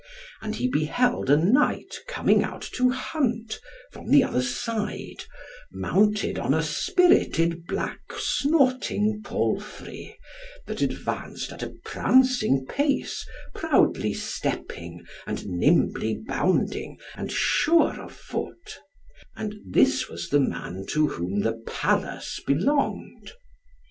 And he beheld a knight coming out to hunt from the other side, mounted on a spirited black snorting palfrey, that advanced at a prancing pace, proudly stepping, and nimbly bounding, and sure of foot; and this was the man to whom the palace belonged.